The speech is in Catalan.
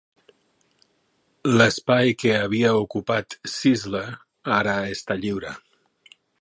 L'espai que havia ocupat Sizzler ara està lliure.